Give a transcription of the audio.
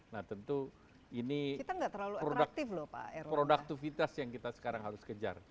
nah tentu ini produktivitas yang kita sekarang harus kejar